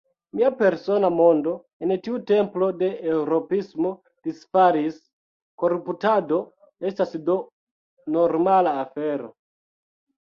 Mia persona mondo, en tiu templo de eŭropismo, disfalis: koruptado estas do normala afero.